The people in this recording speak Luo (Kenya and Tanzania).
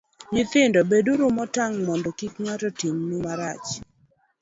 Nyithindo, beduru motang' mondo kik ng'ato timnu marach.